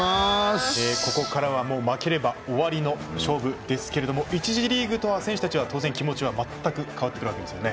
ここからは、もう負ければ終わりの勝負ですけれども１次リーグとは選手たちは気持ちは全く変わってくるわけですよね。